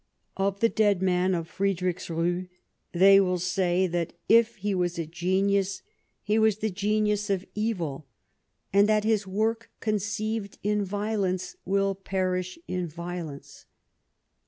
Of the dead man of Friedrichsruh they will say that, if he was a genius, he was the genius of evil, and Q 241 Bismarck that his work, conceived in violence, will perish in violence."